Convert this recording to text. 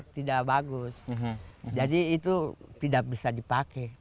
tidak bagus jadi itu tidak bisa dipakai